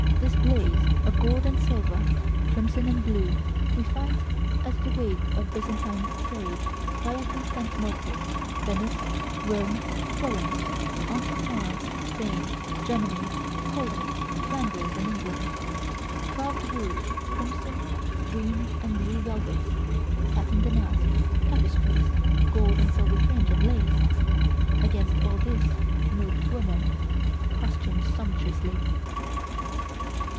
This blaze of gold and silver, crimson and blue we find as the wake of Byzantine trade, via Constantinople, Venice, Rome, Florence on to France, Spain, Germany, Holland, Flanders and England. Carved wood, crimson, green and blue velvets, satin damask, tapestries, gold and silver fringe and lace. Against all this moved woman, costumed sumptuously.